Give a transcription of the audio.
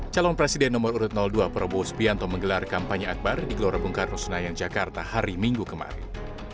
calon presiden nomor urut dua prabowo spianto menggelar kampanye akbar di keluarga bungkar nusunayan jakarta hari minggu kemarin